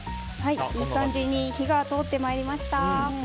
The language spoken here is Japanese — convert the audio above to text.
いい感じに火が通ってまいりました。